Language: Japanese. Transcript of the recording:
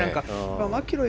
マキロイ。